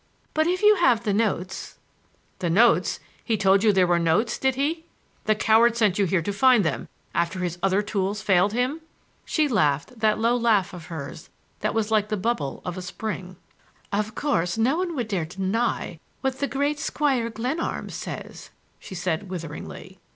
But if you have the notes—" "The notes! He told you there were notes, did he? The coward sent you here to find them, after his other tools failed him?" She laughed that low laugh of hers that was like the bubble of a spring. [Illustration: "I beg your pardon!" she said, and laughed.] "Of course no one would dare deny what the great Squire Glenarm says," she said witheringly.